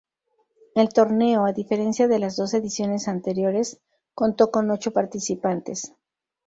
El torneo, a diferencia de las dos ediciones anteriores, contó con ocho participantes.